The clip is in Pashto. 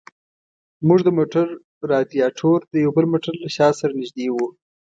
زموږ د موټر رادیاټور د یو بل موټر له شا سره نږدې و.